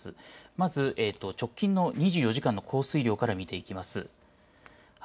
まず直近の２４時間の降水量から見ていきます。